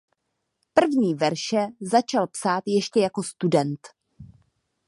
První verše začal psát ještě jako student.